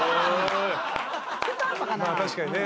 確かにね。